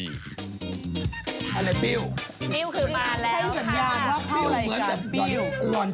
ปิ้วคือมาแล้วค่ะ